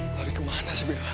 lagi kemana sih bella